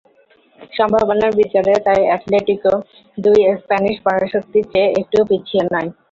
সম্ভাবনার বিচারে তাই অ্যাটলেটিকো দুই স্প্যানিশ পরাশক্তির চেয়ে একটুও পিছিয়ে নয়।